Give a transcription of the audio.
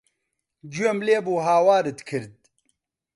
گوێم لێ بوو هاوارت کرد.